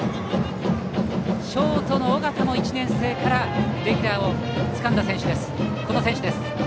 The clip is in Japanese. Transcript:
ショートの緒方も１年生からレギュラーをつかんだ選手。